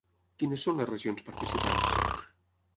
Quines són les regions participants?